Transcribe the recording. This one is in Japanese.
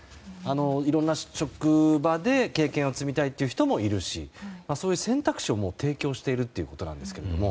いろいろな職場で経験を積みたいという人もいるしそういう選択肢を提供しているということなんですけれども。